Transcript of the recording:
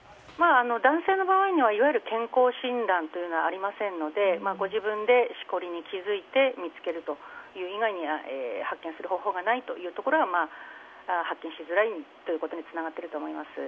男性の場合にはいわゆる健康診断というのはありませんのでご自分で、しこりに気づいて見つけるという以外には発見する方法がないというところは発見しづらいということにつながっていると思います。